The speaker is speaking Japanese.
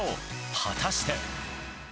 果たして。